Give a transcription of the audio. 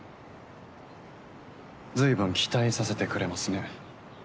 随分期待させてくれますね